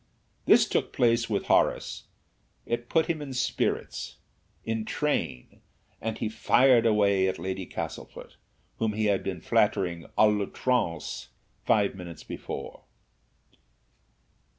This took place with Horace; it put him in spirits, in train, and he fired away at Lady Castlefort, whom he had been flattering à loutrance five minutes before.